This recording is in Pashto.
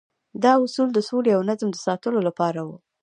دا اصول د سولې او نظم د ساتلو لپاره وو.